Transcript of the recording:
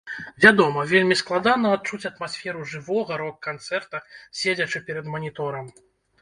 Вядома, вельмі складана адчуць атмасферу жывога рок-канцэрта, седзячы перад маніторам.